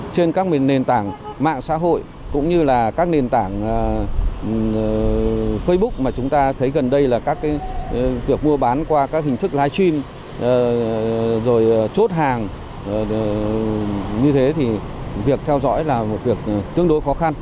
trên các nền tảng mạng xã hội cũng như là các nền tảng facebook mà chúng ta thấy gần đây là các việc mua bán qua các hình thức live stream rồi chốt hàng như thế thì việc theo dõi là một việc tương đối khó khăn